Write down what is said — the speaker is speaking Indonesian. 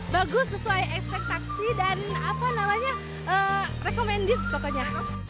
bagus sesuai ekspektasi dan apa namanya recommended pokoknya